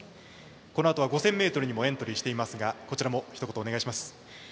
このあとは５０００ｍにもエントリーしていますがこちらもひと言お願いします。